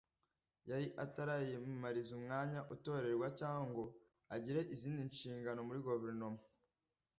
yari atariyamamariza umwanya utorerwa cyangwa ngo agire izindi nshingano muri guverinoma